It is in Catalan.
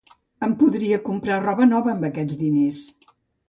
Em podria comprar roba nova amb aquests diners.